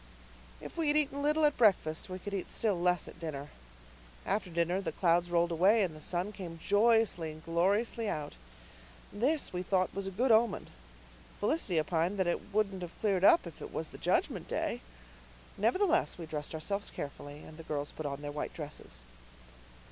If we had eaten little at breakfast we could eat still less at dinner. After dinner the clouds rolled away, and the sun came joyously and gloriously out. This, we thought, was a good omen. Felicity opined that it wouldn't have cleared up if it was the Judgment Day. Nevertheless, we dressed ourselves carefully, and the girls put on their white dresses.